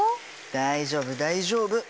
大丈夫大丈夫。